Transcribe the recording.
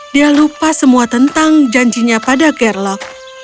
dia lupa semua tentang janjinya pada gerlok